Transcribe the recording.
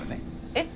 えっ？